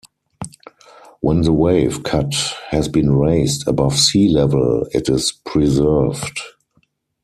When the wave cut has been raised above sea level it is preserved.